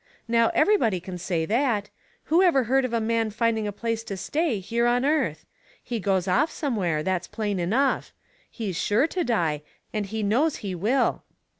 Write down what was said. Now, everybody can say that. Who ever heard of a man finding a place to stay hero Mistakes — Great and Small, 133 on earth? He goes off somewhere, that's plain enough ; he's sure to die, and he knows he will.